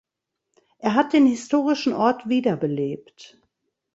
Er hat den historischen Ort wiederbelebt.